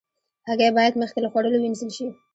هګۍ باید مخکې له خوړلو وینځل شي.